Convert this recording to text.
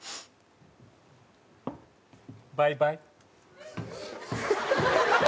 バイバイ。